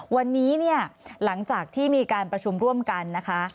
วันนี้เนี่ยหลังจากที่มีการประชุมร่วมกันนะคะ